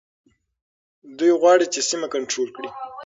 دوی غواړي چي سیمه کنټرول کړي.